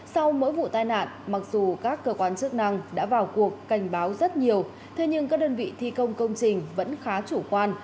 sau mỗi vụ tai nạn mặc dù các cơ quan chức năng đã vào cuộc cảnh báo rất nhiều thế nhưng các đơn vị thi công công trình vẫn khá chủ quan